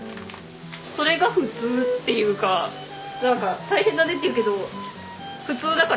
それが普通っていうかなんか大変だねっていうけど普通だから別に。